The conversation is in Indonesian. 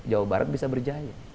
jawa barat bisa berjaya